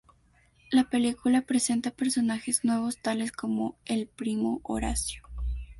La película presenta personajes nuevos, tales como el primo Horacio.